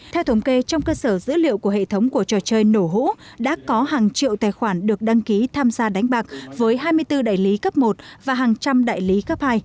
theo thống kê trong cơ sở dữ liệu của hệ thống của trò chơi nổ hũ đã có hàng triệu tài khoản được đăng ký tham gia đánh bạc với hai mươi bốn đại lý cấp một và hàng trăm đại lý cấp hai